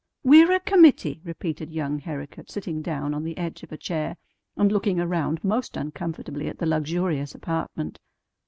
"We're a committee," repeated young Herricote, sitting down on the edge of a chair, and looking around most uncomfortably at the luxurious apartment.